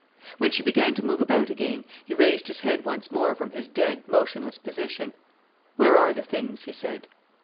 When she began to move about again, he raised his head once more from his dead, motionless position. "Where are the things?" he said.